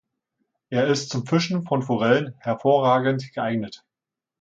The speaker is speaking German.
Er ist zum Fischen von Forellen hervorragend geeignet.